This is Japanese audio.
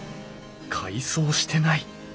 改装してない。